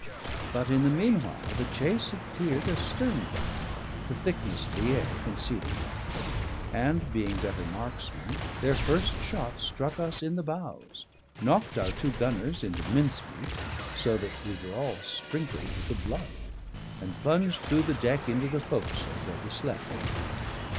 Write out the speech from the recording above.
But in the meanwhile the chase had cleared a stern gun, the thickness of the air concealing them; and being better marksmen, their first shot struck us in the bows, knocked our two gunners into mincemeat, so that we were all sprinkled with the blood, and plunged through the deck into the forecastle, where we slept.